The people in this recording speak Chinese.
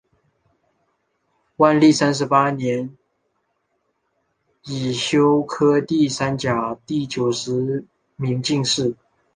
万历三十八年庚戌科第三甲第九十名进士。